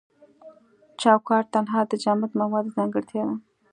چوکات تنها د جامد موادو ځانګړتیا ده.